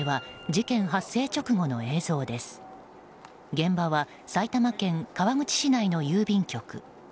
現場は埼玉県川口市内の郵便局。